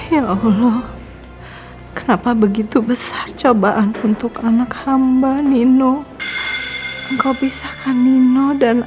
ya allah kenapa begitu besar cobaan untuk anak hamba nino engkau pisahkan nino dan